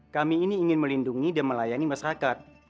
kami ini ingin melindungi dan melayani masyarakat